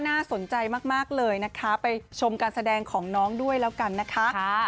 น่าสนใจมากเลยนะคะไปชมการแสดงของน้องด้วยแล้วกันนะคะ